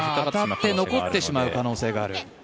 当たって残ってしまう可能性がある。